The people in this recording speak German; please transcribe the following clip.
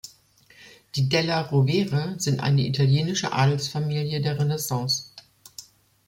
Die della Rovere sind eine italienische Adelsfamilie der Renaissance.